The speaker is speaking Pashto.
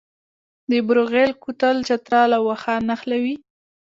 د بروغیل کوتل چترال او واخان نښلوي